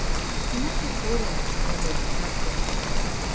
У нас усё робіцца паводле закону.